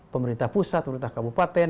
pemerintah pusat pemerintah kabupaten